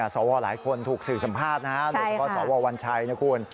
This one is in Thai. สอวอหลายคนถูกสื่อสัมภาษณ์หรือเปล่าสอววัลวันชัยนะคุณ